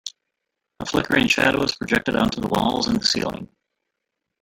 A flickering shadow was projected onto the walls and the ceiling.